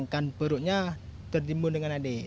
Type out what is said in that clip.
karena dia tertimbun dengan adik